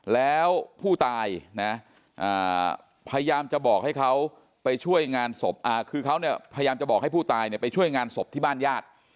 แล้วผู้ตายนะพยายามจะบอกให้เขาไปช่วยงานศพคือเขาเนี่ยพยายามจะบอกให้ผู้ตายไปช่วยงานศพที่บ้านญาติ